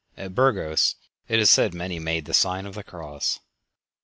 At Burgos it is said many made the sign of the cross.